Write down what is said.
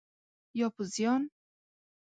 یا په زیان؟